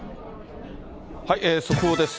速報です。